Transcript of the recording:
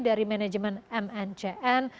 dari manajemen mncn